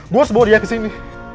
gua harus bawa dia kesini